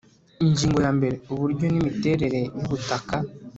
Ingingo ya mbere Uburyo n imiterere yubutaka